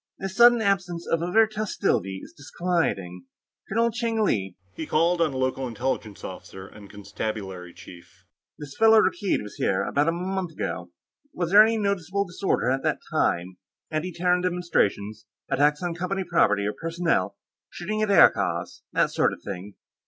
This sudden absence of overt hostility is disquieting. Colonel Cheng Li," he called on the local Intelligence officer and Constabulary chief. "This fellow Rakkeed was here, about a month ago. Was there any noticeable disorder at that time? Anti Terran demonstrations, attacks on Company property or personnel, shooting at aircars, that sort of thing?"